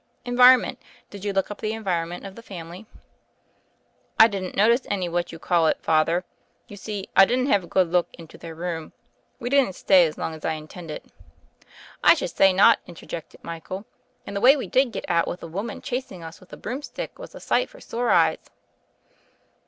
"Environment. Did you look up the envir onment of the family?" "I didn't notice any what you call it, Father. You see I didn't have a good look into their room. We didn't stay as long as I intended." "I should say not," interjected Michael, "and the way we did get out with a woman chasing us with a broomstick was a sight for sore eyes.